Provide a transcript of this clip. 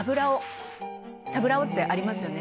タブラオってありますよね